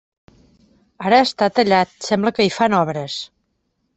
Ara està tallat, sembla que hi fan obres.